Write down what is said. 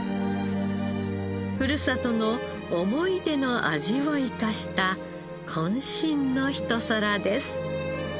ふるさとの思い出の味を生かした渾身のひと皿です。